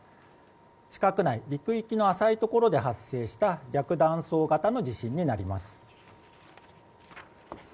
地殻内陸域の浅いところで発生した逆断層型の地震になります。